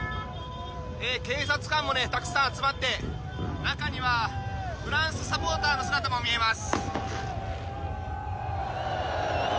警察官もたくさん集まって中にはフランスサポーターの姿も見えます。